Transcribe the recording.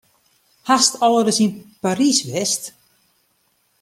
Hast al ris yn Parys west?